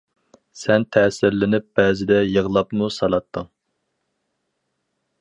سەن تەسىرلىنىپ بەزىدە يىغلاپمۇ سالاتتىڭ.